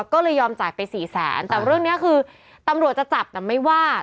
ก็เลยยอมจ่ายไปสี่แสนแต่เรื่องนี้คือตำรวจจะจับแต่ไม่ว่า